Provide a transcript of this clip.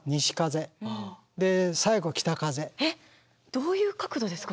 どういう角度ですか。